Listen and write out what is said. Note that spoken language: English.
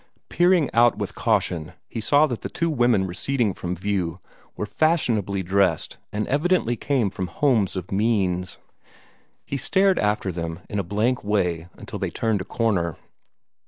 Peering out with caution he saw that the two women receding from view were fashionably dressed and evidently came from homes of means. He stared after them in a blank way until they turned a corner.